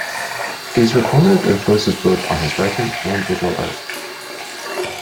These were formative influences both on his writing and visual art.